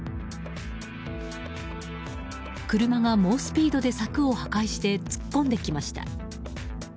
車が猛スピードで柵を破壊して突っ込んできました。